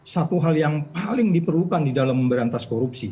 satu hal yang paling diperlukan di dalam memberantas korupsi